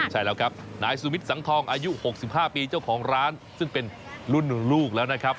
ใช่แล้วครับนายสุมิทสังทองอายุ๖๕ปีเจ้าของร้านซึ่งเป็นรุ่นลูกแล้วนะครับ